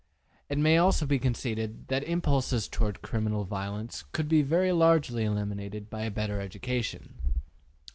It may also be conceded that impulses toward criminal violence could be very largely eliminated by a better education.